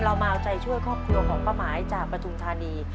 เรามาเอาใจช่วยครอบครัวของป้าหมายจากปฐุมธานี